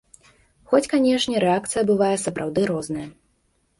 Хоць, канешне, рэакцыя бывае сапраўды розная.